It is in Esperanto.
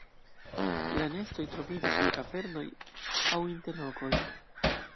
La nestoj troviĝas en kavernoj aŭ inter rokoj.